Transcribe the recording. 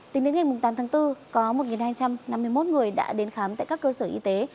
tính đến ngày tám tháng bốn có một hai trăm năm mươi một người đã đến khám tại các cơ sở y tế